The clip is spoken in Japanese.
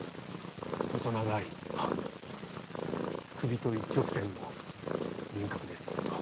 細長い首と一直線の輪郭です。